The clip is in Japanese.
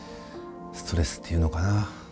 ストレスって言うのかな？